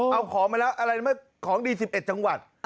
เอาของมาแล้วของดี๑๑จังหวัด